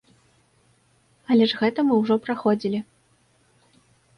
Але ж гэта мы ўжо праходзілі.